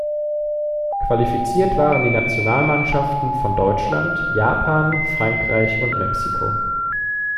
Qualifiziert waren die Nationalmannschaften von Deutschland, Japan, Frankreich und Mexiko.